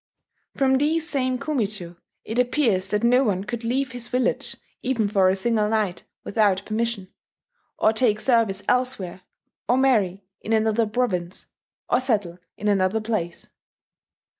From these same Kumi cho, it appears that no one could leave his village even for a single night, without permission, or take service elsewhere, or marry in another province, or settle in another place.